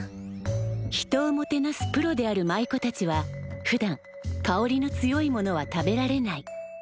人をもてなすプロである舞妓たちはふだん香りの強いものは食べられない。